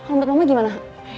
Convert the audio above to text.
untuk mama gimana